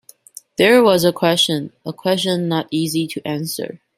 There was a question — a question not easy to answer.